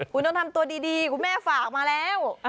คุณต้องทำตัวดีคุณแม่ฝากมาแล้ว